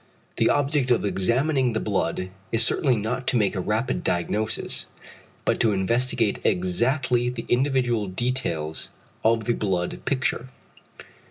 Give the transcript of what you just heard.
The object of examining the blood, is certainly not to make a rapid diagnosis, but to investigate exactly the individual details of the blood picture.